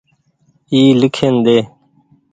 اي ليکين ۮي۔